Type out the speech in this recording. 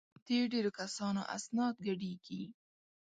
د ډېرو کسانو اسناد ګډېږي.